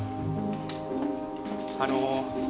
あの。